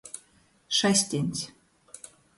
Šestiņs.